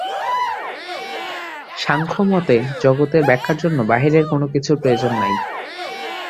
সাংখ্যমতে জগতের ব্যাখ্যার জন্য বাহিরের কোনকিছুর প্রয়োজন নাই।